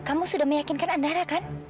kamu sudah meyakinkan andara kan